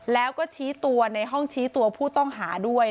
แล้วก็ชี้ตัวในห้องชี้ตัวผู้ต้องหาด้วย